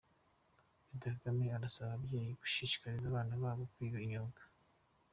Perezida Kagame arasaba ababyeyi gushishikariza abana babo kwiga imyuga